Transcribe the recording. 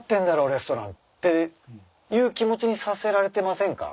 レストランっていう気持ちにさせられてませんか？